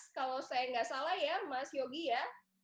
kalau saya nggak salah ya mas yogi ya